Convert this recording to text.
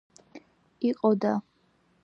იყო და